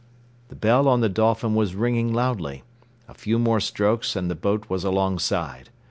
The bell on the Dolphin was ringing loudly. A few more strokes and the boat was alongside.